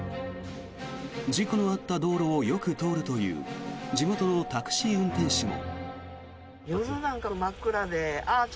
事故のあった道路をよく通るという地元のタクシー運転手も。